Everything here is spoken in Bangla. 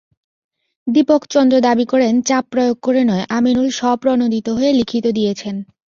দীপক চন্দ্র দাবি করেন, চাপ প্রয়োগ করে নয়, আমিনুল স্বপ্রণোদিত হয়ে লিখিত দিয়েছেন।